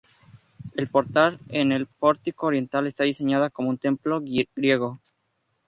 El portal en el pórtico oriental está diseñado como un templo griego.